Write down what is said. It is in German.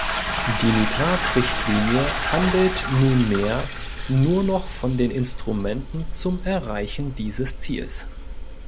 Die Nitrat-Richtlinie handelt nunmehr nur noch von den Instrumenten zum Erreichen dieses Ziels.